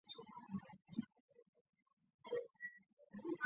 强壮深海章鱼为章鱼科深海多足蛸属下的一个种。